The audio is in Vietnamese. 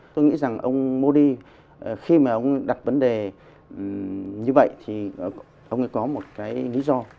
tôi nghĩ rằng ông modi khi mà ông đặt vấn đề như vậy thì ông ấy có một cái lý do